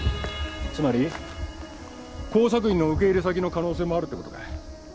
つまり工作員の受け入れ先の可能性もあるって事か。